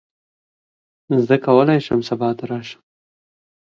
زه کولی شم سبا ته راشم.